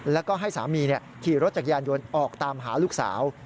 แล้วก็ให้สามีขี่รถจักรยานยนต์ออกตามหาลูกสาว